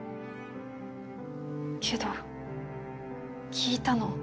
けど聞いたの。